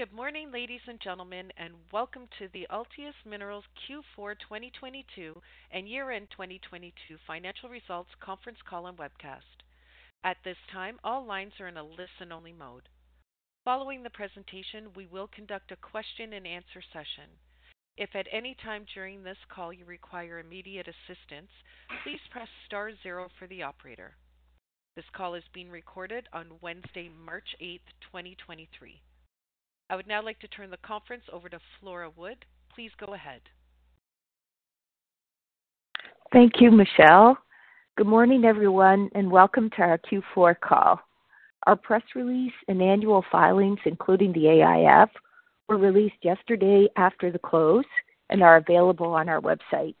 Good morning, ladies and gentlemen, welcome to the Altius Minerals Q4 2022 and year-end 2022 financial results conference call and webcast. At this time, all lines are in a listen-only mode. Following the presentation, we will conduct a question-and-answer session. If at any time during this call you require immediate assistance, please press star zero for the operator. This call is being recorded on Wednesday, March 8th, 2023. I would now like to turn the conference over to Flora Wood. Please go ahead. Thank you, Michelle. Good morning, everyone, and welcome to our Q4 call. Our press release and annual filings, including the AIF, were released yesterday after the close and are available on our website.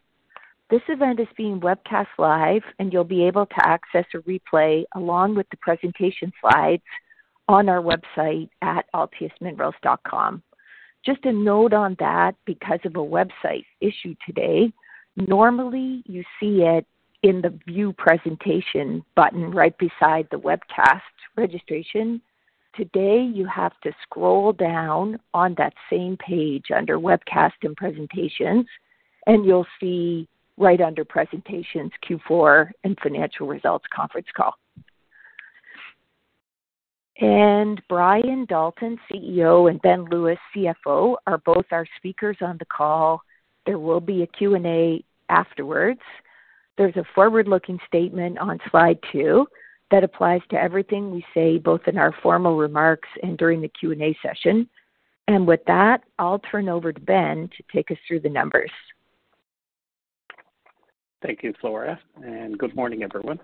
This event is being webcast live, and you'll be able to access a replay along with the presentation slides on our website at altiusminerals.com. Just a note on that, because of a website issue today, normally you see it in the View Presentation button right beside the webcast registration. Today, you have to scroll down on that same page under Webcast and Presentations, and you'll see right under Presentations Q4 and Financial Results Conference Call. Brian Dalton, CEO, and Ben Lewis, CFO, are both our speakers on the call. There will be a Q&A afterwards. There's a forward-looking statement on slide two that applies to everything we say, both in our formal remarks and during the Q&A session. With that, I'll turn over to Ben to take us through the numbers. Thank you, Flora. Good morning, everyone.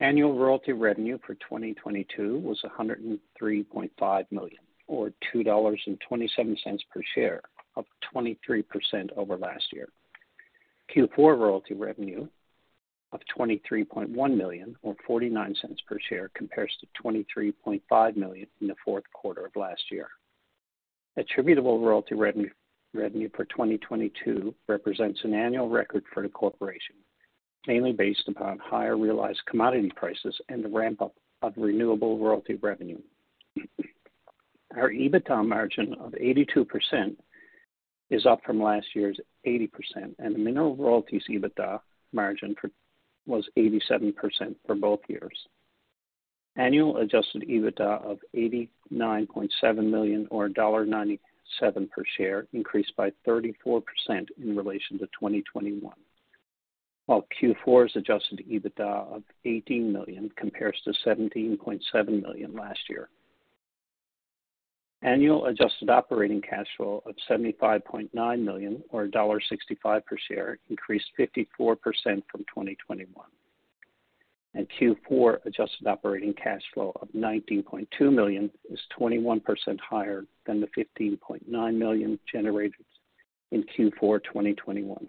Annual royalty revenue for 2022 was 103.5 million, or 2.27 dollars per share, up 23% over last year. Q4 royalty revenue of 23.1 million or 0.49 per share compares to 23.5 million in the fourth quarter of last year. Attributable royalty revenue for 2022 represents an annual record for the corporation, mainly based upon higher realized commodity prices and the ramp-up of renewable royalty revenue. Our EBITDA margin of 82% is up from last year's 80%. Mineral Royalty's EBITDA margin was 87% for both years. Annual adjusted EBITDA of 89.7 million or dollar 1.97 per share increased by 34% in relation to 2021. While Q4's adjusted EBITDA of 18 million compares to 17.7 million last year. Annual adjusted operating cash flow of 75.9 million or CAD 1.65 per share increased 54% from 2021. Q4 adjusted operating cash flow of 19.2 million is 21% higher than the 15.9 million generated in Q4 2021.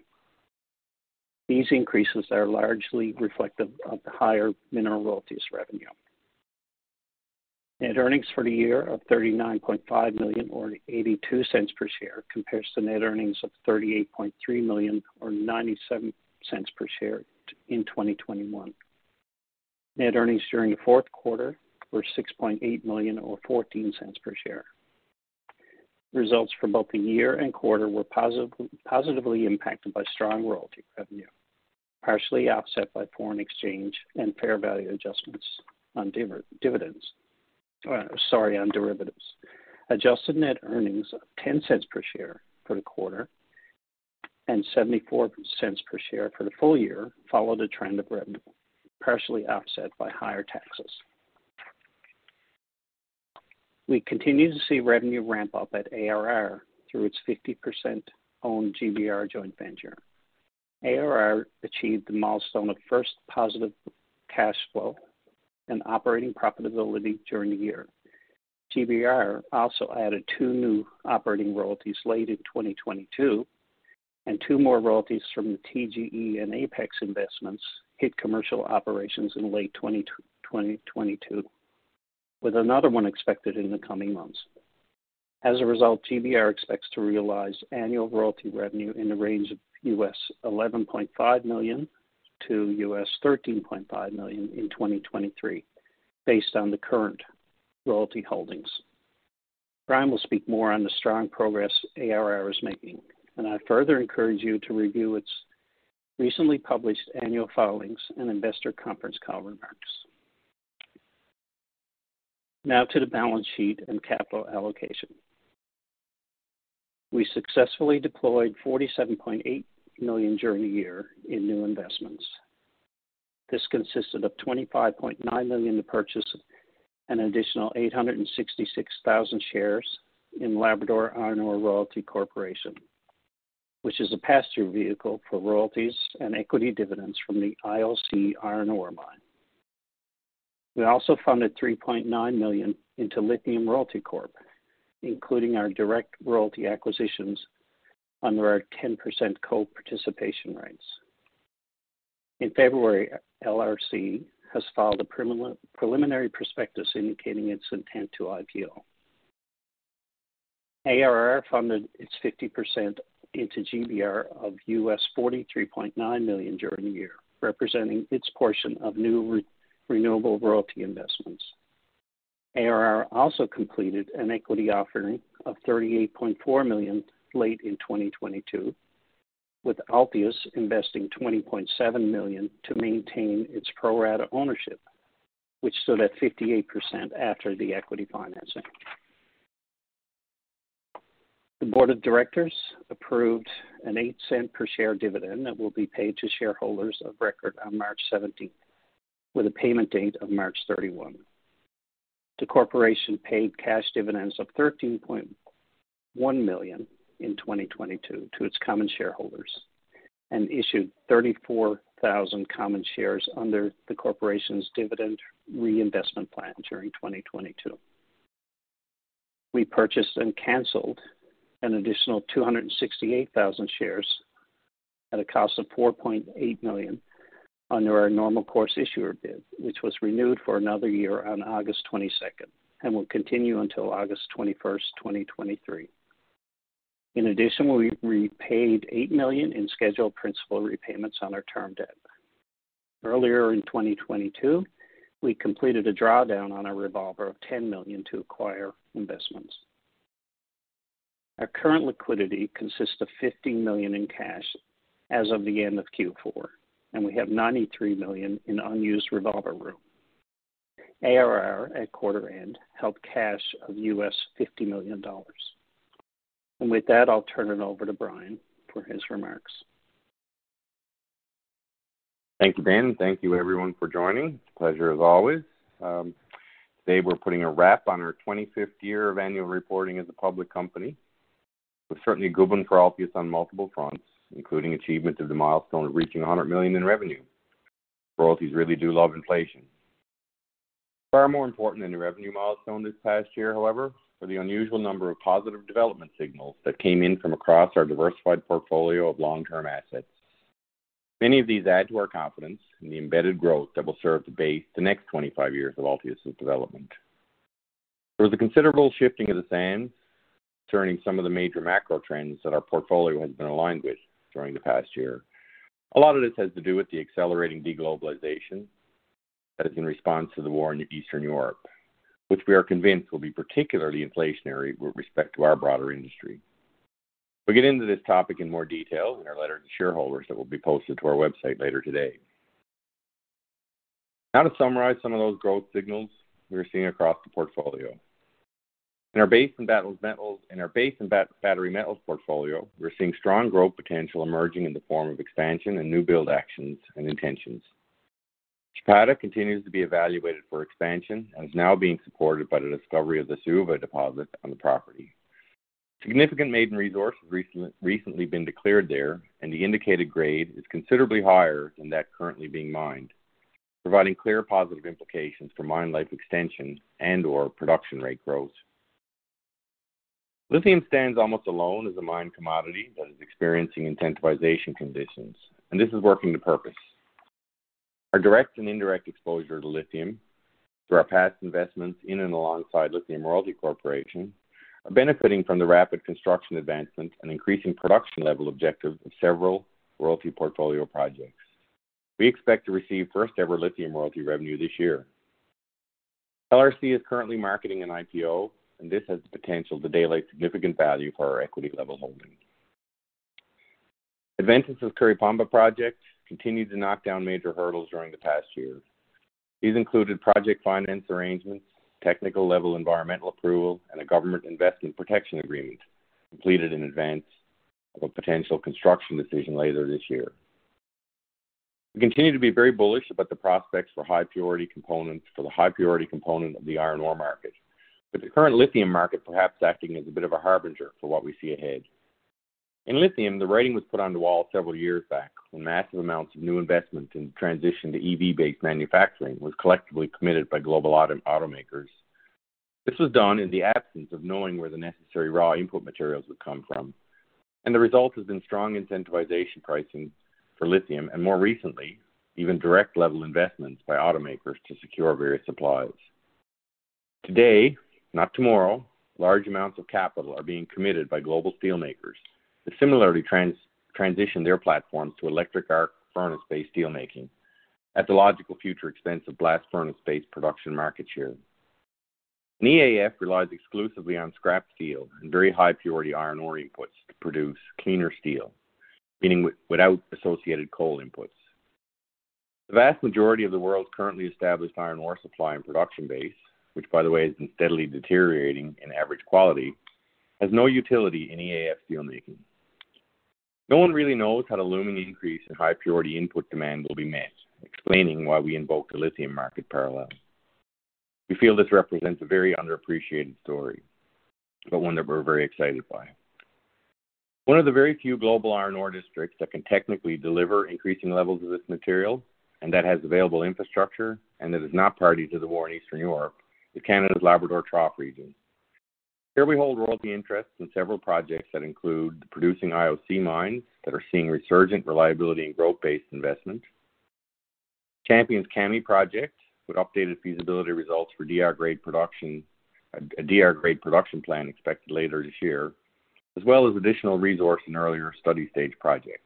These increases are largely reflective of the higher mineral royalties revenue. Net earnings for the year of 39.5 million or 0.82 per share compares to net earnings of 38.3 million or 0.97 per share in 2021. Net earnings during the fourth quarter were 6.8 million or 0.14 per share. Results for both the year and quarter were positively impacted by strong royalty revenue, partially offset by foreign exchange and fair value adjustments on dividends. Sorry, on derivatives. Adjusted net earnings of 0.10 per share for the quarter and 0.74 per share for the full year followed a trend of revenue, partially offset by higher taxes. We continue to see revenue ramp up at ARR through its 50% owned GBR joint venture. ARR achieved the milestone of first positive cash flow and operating profitability during the year. GBR also added two new operating royalties late in 2022, and two more royalties from the TGE and Apex investments hit commercial operations in late 2022, with another one expected in the coming months. As a result, GBR expects to realize annual royalty revenue in the range of $11.5 million to $13.5 million in 2023, based on the current royalty holdings. Brian will speak more on the strong progress ARR is making. I further encourage you to review its recently published annual filings and investor conference call remarks. Now to the balance sheet and capital allocation. We successfully deployed 47.8 million during the year in new investments. This consisted of 25.9 million to purchase an additional 866,000 shares in Labrador Iron Ore Royalty Corporation, which is a pass-through vehicle for royalties and equity dividends from the IOC iron ore mine. We also funded 3.9 million into Lithium Royalty Corp, including our direct royalty acquisitions under our 10% co-participation rates. In February, LRC has filed a preliminary prospectus indicating its intent to IPO. ARR funded its 50% into GBR of $43.9 million during the year, representing its portion of new renewable royalty investments. ARR also completed an equity offering of 38.4 million late in 2022, with Altius investing 20.7 million to maintain its pro rata ownership, which stood at 58% after the equity financing. The board of directors approved an 0.08 per share dividend that will be paid to shareholders of record on March 17th, with a payment date of March 31. The corporation paid cash dividends of 13.1 million in 2022 to its common shareholders and issued 34,000 common shares under the corporation's dividend reinvestment plan during 2022. We purchased and canceled an additional 268,000 shares at a cost of 4.8 million under our normal course issuer bid, which was renewed for another year on August 22nd and will continue until August 21st, 2023. In addition, we repaid 8 million in scheduled principal repayments on our term debt. Earlier in 2022, we completed a drawdown on our revolver of 10 million to acquire investments. Our current liquidity consists of 15 million in cash as of the end of Q4, and we have 93 million in unused revolver room. ARR, at quarter end, held cash of $50 million. With that, I'll turn it over to Brian for his remarks. Thank you, Ben. Thank you everyone for joining. Pleasure as always. Today we're putting a wrap on our 25th year of annual reporting as a public company. It was certainly a good one for Altius on multiple fronts, including achievement of the milestone of reaching $100 million in revenue. Royalties really do love inflation. Far more important than the revenue milestone this past year, however, are the unusual number of positive development signals that came in from across our diversified portfolio of long-term assets. Many of these add to our confidence in the embedded growth that will serve to base the next 25 years of Altius' development. There was a considerable shifting of the sand concerning some of the major macro trends that our portfolio has been aligned with during the past year. A lot of this has to do with the accelerating de-globalization that is in response to the war in Eastern Europe, which we are convinced will be particularly inflationary with respect to our broader industry. We'll get into this topic in more detail in our letter to shareholders that will be posted to our website later today. To summarize some of those growth signals we are seeing across the portfolio. In our base and battery metals portfolio, we're seeing strong growth potential emerging in the form of expansion and new build actions and intentions. Chapada continues to be evaluated for expansion and is now being supported by the discovery of the Sauva deposit on the property. Significant maiden resource has recently been declared there, and the indicated grade is considerably higher than that currently being mined, providing clear positive implications for mine life extension and/or production rate growth. Lithium stands almost alone as a mine commodity that is experiencing incentivization conditions, and this is working to purpose. Our direct and indirect exposure to lithium through our past investments in and alongside Lithium Royalty Corporation are benefiting from the rapid construction advancements and increasing production level objectives of several royalty portfolio projects. We expect to receive first-ever lithium royalty revenue this year. LRC is currently marketing an IPO, and this has the potential to daylight significant value for our equity level holdings. Adventus' Curipamba project continued to knock down major hurdles during the past year. These included project finance arrangements, technical-level environmental approval, and a government investment protection agreement completed in advance of a potential construction decision later this year. We continue to be very bullish about the prospects for the high purity component of the iron ore market, with the current lithium market perhaps acting as a bit of a harbinger for what we see ahead. In lithium, the writing was put on the wall several years back when massive amounts of new investment in transition to EV-based manufacturing was collectively committed by global automakers. This was done in the absence of knowing where the necessary raw input materials would come from, and the result has been strong incentivization pricing for lithium, and more recently, even direct level investments by automakers to secure various supplies. Today, not tomorrow, large amounts of capital are being committed by global steelmakers to similarly transition their platforms to electric arc furnace-based steelmaking at the logical future expense of blast furnace-based production market share. An EAF relies exclusively on scrap steel and very high purity iron ore inputs to produce cleaner steel, meaning without associated coal inputs. The vast majority of the world's currently established iron ore supply and production base, which by the way is steadily deteriorating in average quality, has no utility in EAF steelmaking. No one really knows how the looming increase in high purity input demand will be met, explaining why we invoke the lithium market parallel. We feel this represents a very underappreciated story, but one that we're very excited by. One of the very few global iron ore districts that can technically deliver increasing levels of this material and that has available infrastructure and that is not party to the war in Eastern Europe is Canada's Labrador Trough region. Here we hold royalty interests in several projects that include the producing IOC mines that are seeing resurgent reliability and growth-based investment, Champion Iron's Kami project, with updated feasibility results for DR grade production, a DR grade production plan expected later this year, as well as additional resource in earlier study stage projects.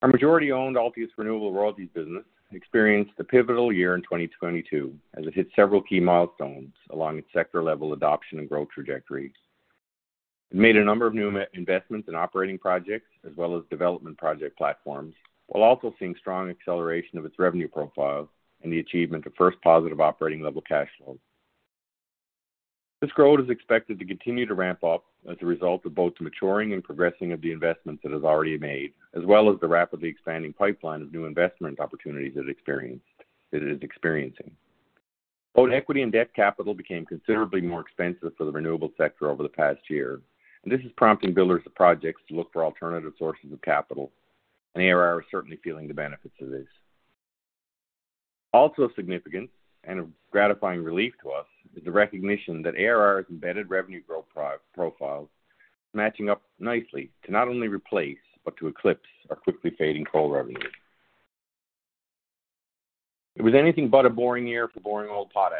Our majority-owned Altius Renewable Royalties business experienced a pivotal year in 2022 as it hit several key milestones along its sector level adoption and growth trajectory. It made a number of new investments in operating projects as well as development project platforms, while also seeing strong acceleration of its revenue profile and the achievement of first positive operating level cash flow. This growth is expected to continue to ramp up as a result of both maturing and progressing of the investments it has already made, as well as the rapidly expanding pipeline of new investment opportunities it is experiencing. Both equity and debt capital became considerably more expensive for the renewable sector over the past year. This is prompting builders of projects to look for alternative sources of capital. ARR is certainly feeling the benefits of this. Also of significance, and a gratifying relief to us, is the recognition that ARR's embedded revenue growth profiles is matching up nicely to not only replace, but to eclipse our quickly fading coal revenue. It was anything but a boring year for boring old potash.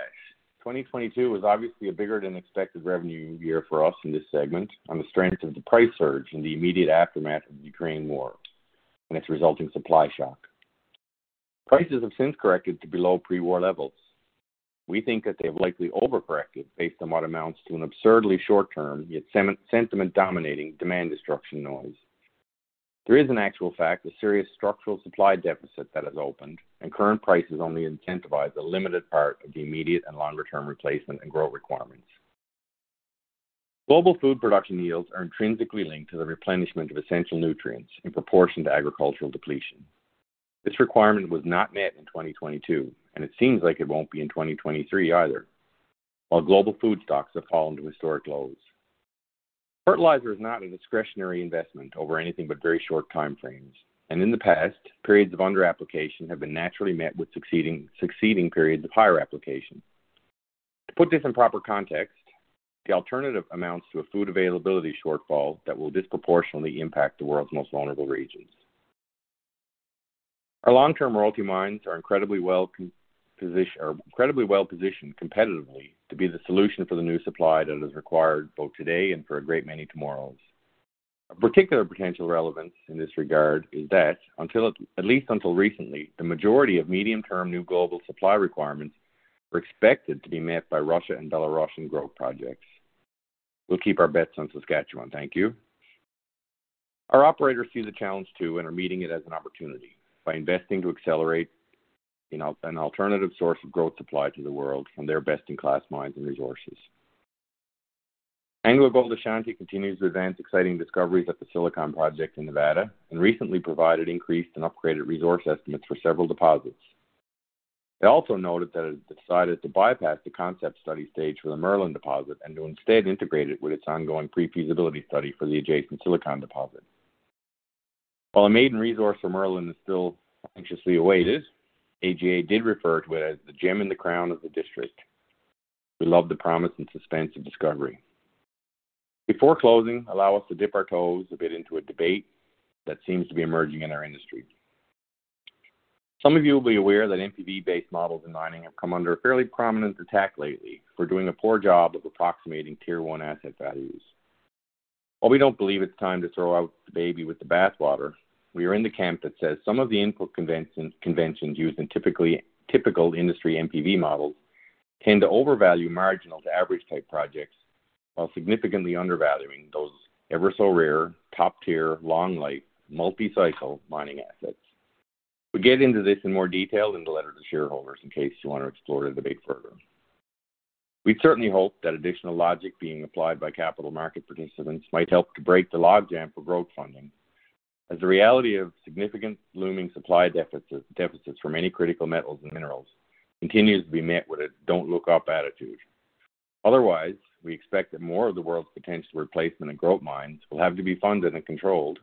2022 was obviously a bigger than expected revenue year for us in this segment on the strength of the price surge in the immediate aftermath of the Ukraine War and its resulting supply shock. Prices have since corrected to below pre-war levels. We think that they have likely over-corrected based on what amounts to an absurdly short term, yet sentiment dominating demand destruction noise. There is, in actual fact, a serious structural supply deficit that has opened, and current prices only incentivize a limited part of the immediate and longer-term replacement and growth requirements. Global food production yields are intrinsically linked to the replenishment of essential nutrients in proportion to agricultural depletion. This requirement was not met in 2022. It seems like it won't be in 2023 either, while global food stocks have fallen to historic lows. Fertilizer is not a discretionary investment over anything but very short time frames. In the past, periods of under-application have been naturally met with succeeding periods of higher application. To put this in proper context, the alternative amounts to a food availability shortfall that will disproportionately impact the world's most vulnerable regions. Our long-term royalty mines are incredibly well-positioned competitively to be the solution for the new supply that is required both today and for a great many tomorrows. Of particular potential relevance in this regard is that until at least until recently, the majority of medium-term new global supply requirements were expected to be met by Russia and Belarusian growth projects. We'll keep our bets on Saskatchewan, thank you. Our operators see the challenge too and are meeting it as an opportunity by investing to accelerate an alternative source of growth supply to the world from their best-in-class mines and resources. AngloGold Ashanti continues to advance exciting discoveries at the Silicon project in Nevada and recently provided increased and upgraded resource estimates for several deposits. It also noted that it decided to bypass the concept study stage for the Merlin deposit and to instead integrate it with its ongoing pre-feasibility study for the adjacent Silicon deposit. While a maiden resource for Merlin is still anxiously awaited, AGA did refer to it as the gem in the crown of the district. We love the promise and suspense of discovery. Before closing, allow us to dip our toes a bit into a debate that seems to be emerging in our industry. Some of you will be aware that NPV-based models in mining have come under a fairly prominent attack lately for doing a poor job of approximating Tier One asset values. While we don't believe it's time to throw out the baby with the bath water, we are in the camp that says some of the input conventions used in typical industry NPV models tend to overvalue marginal to average type projects while significantly undervaluing those ever so rare, top-tier, long life, multi-cycle mining assets. We get into this in more detail in the letter to shareholders in case you want to explore the debate further. We certainly hope that additional logic being applied by capital market participants might help to break the logjam for growth funding, as the reality of significant looming supply deficits from many critical metals and minerals continues to be met with a don't look up attitude. Otherwise, we expect that more of the world's potential replacement in growth mines will have to be funded and controlled,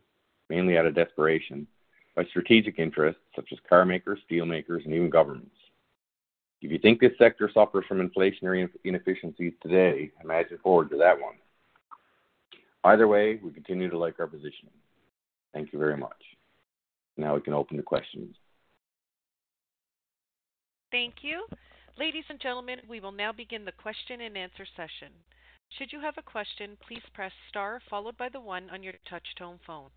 mainly out of desperation, by strategic interests such as car makers, steel makers, and even governments. If you think this sector suffers from inflationary inefficiencies today, imagine forward to that one. Either way, we continue to like our positioning. Thank you very much. Now we can open to questions. Thank you. Ladies and gentlemen, we will now begin the question-and-answer session. Should you have a question, please press star followed by the one on your touch tone phone.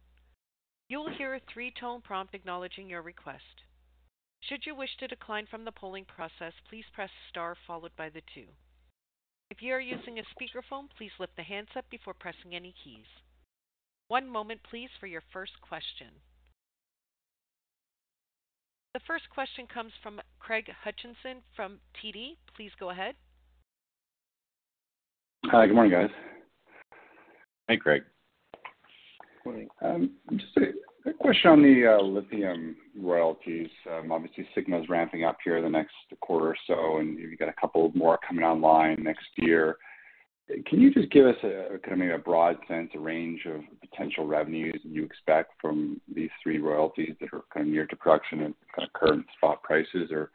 You will hear a three-tone prompt acknowledging your request. Should you wish to decline from the polling process, please press star followed by the two. If you are using a speakerphone, please lift the handset before pressing any keys. One moment please for your first question. The first question comes from Craig Hutchison from TD. Please go ahead. Hi, good morning, guys. Hi, Craig. Morning. Just a question on the lithium royalties. Obviously, Sigma is ramping up here the next quarter or so, and you've got a couple more coming online next year. Can you just give us a kind of maybe a broad sense, a range of potential revenues you expect from these three royalties that are kind of near to production at kind of current spot prices or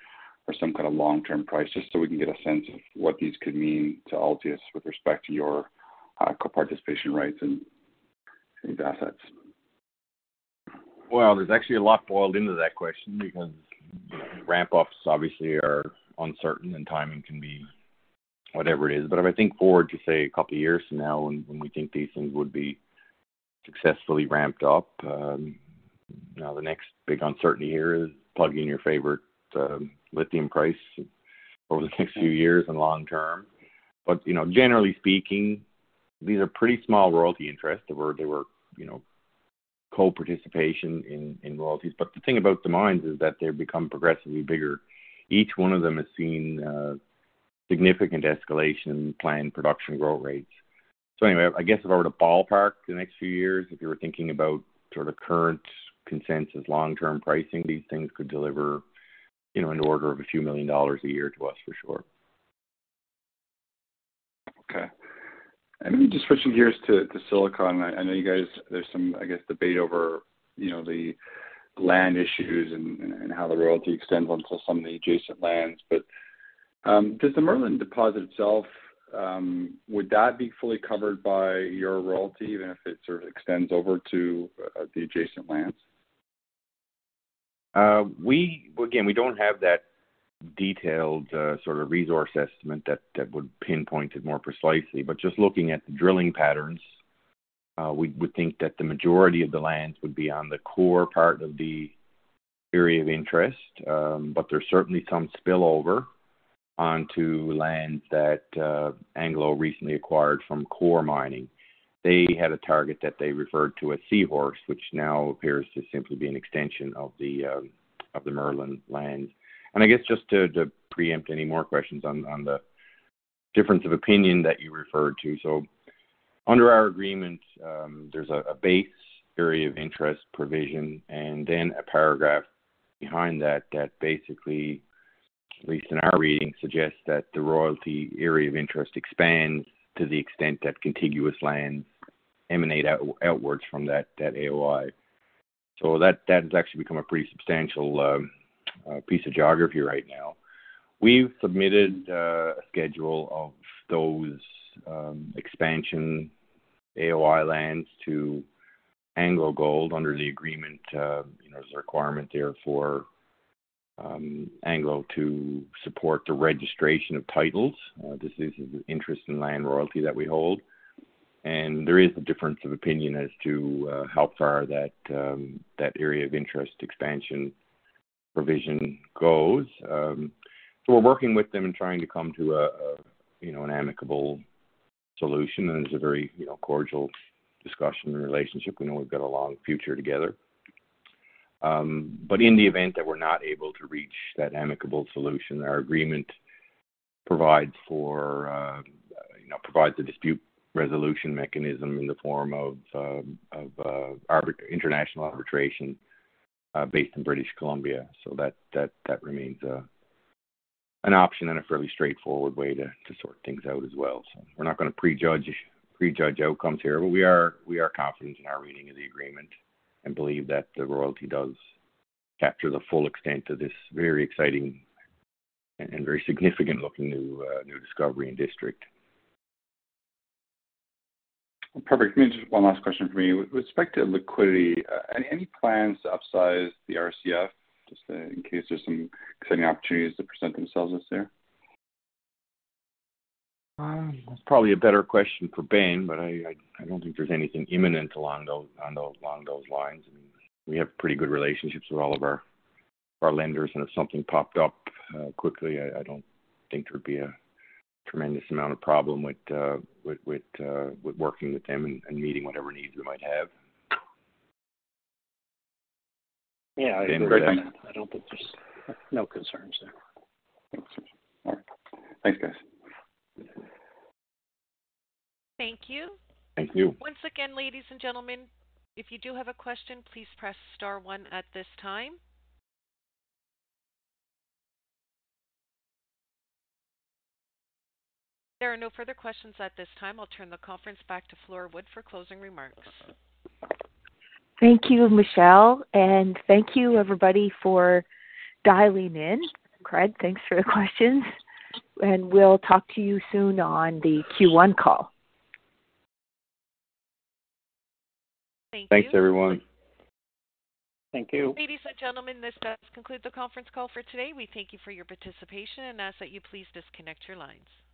some kind of long-term price, just so we can get a sense of what these could mean to Altius with respect to your co-participation rights and these assets? There's actually a lot boiled into that question because ramp-ups obviously are uncertain, and timing can be whatever it is. If I think forward to, say, two years from now when we think these things would be successfully ramped up, now the next big uncertainty here is plug in your favorite lithium price over the next few years and long term. You know, generally speaking, these are pretty small royalty interests. They were co-participation in royalties. The thing about the mines is that they've become progressively bigger. Each one of them has seen a significant escalation in planned production growth rates. If I were to ballpark the next few years, if you were thinking about sort of current consensus long-term pricing, these things could deliver in the order of a few million dollars a year to us for sure. Okay. Maybe just switching gears to Silicon. I know you guys, there's some, I guess, debate over the land issues and how the royalty extends onto some of the adjacent lands. Does the Merlin deposit itself, would that be fully covered by your royalty even if it sort of extends over to the adjacent lands? We don't have that detailed sort of resource estimate that would pinpoint it more precisely. Just looking at the drilling patterns, we would think that the majority of the lands would be on the core part of the area of interest. But there's certainly some spill over onto lands that Anglo recently acquired from Core Mining. They had a target that they referred to as Seahorse, which now appears to simply be an extension of the Merlin land. I guess just to preempt any more questions on the difference of opinion that you referred to. Under our agreement, there's a base area of interest provision and then a paragraph behind that basically, at least in our reading, suggests that the royalty area of interest expands to the extent that contiguous lands emanate outwards from that AOI. That has actually become a pretty substantial piece of geography right now. We've submitted a schedule of those expansion AOI lands to Anglo Gold under the agreement. you know, there's a requirement there for Anglo to support the registration of titles. This is an interest in land royalty that we hold. There is a difference of opinion as to how far that area of interest expansion provision goes. We're working with them and trying to come to a an amicable solution. It's a very cordial discussion and relationship. We know we've got a long future together. In the event that we're not able to reach that amicable solution, our agreement provides for provides a dispute resolution mechanism in the form of international arbitration, based in British Columbia. That remains an option and a fairly straightforward way to sort things out as well. We're not gonna prejudge outcomes here, but we are, we are confident in our reading of the agreement and believe that the royalty does capture the full extent of this very exciting and very significant looking new discovery and district. Perfect. Maybe just one last question from me. With respect to liquidity, any plans to upsize the RCF just in case there's some exciting opportunities that present themselves this year? That's probably a better question for Ben, but I don't think there's anything imminent along those lines. I mean, we have pretty good relationships with all of our lenders. If something popped up quickly, I don't think there'd be a tremendous amount of problem with working with them and meeting whatever needs we might have. Yeah. Great, thanks. No concerns there. Thanks. All right. Thanks, guys. Thank you. Thank you. Once again, ladies and gentlemen, if you do have a question, please press star one at this time. There are no further questions at this time. I'll turn the conference back to Flora Wood for closing remarks. Thank you, Michelle, and thank you, everybody, for dialing in. Craig, thanks for the questions. We'll talk to you soon on the Q1 call. Thank you. Thanks, everyone. Thank you. Ladies and gentlemen, this does conclude the conference call for today. We thank you for your participation and ask that you please disconnect your lines.